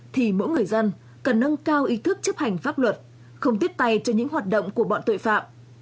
thì mỗi người dân cần nâng cao ý thức chấp hành pháp luật không tiếp tay cho những hoạt động của bọn tội phạm